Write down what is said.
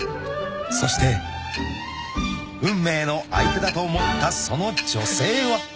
［そして運命の相手だと思ったその女性は］